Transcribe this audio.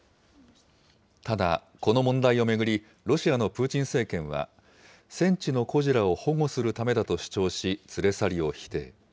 ただ、この問題を巡り、ロシアのプーチン政権は、戦地の孤児らを保護するためだと主張し、連れ去りを否定。